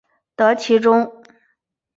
得其中